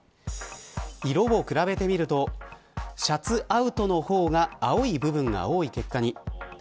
色を比べてみるとシャツアウトの方が青い部分が多い結果に。